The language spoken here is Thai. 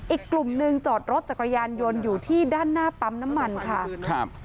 อีกกลุ่มหนึ่งจอดรถจักรยานยนต์อยู่ที่ด้านหน้าปั๊มน้ำมันค่ะครับ